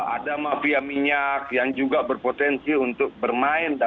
ada mafia minyak yang juga berpotensi untuk membuat kita lebih mudah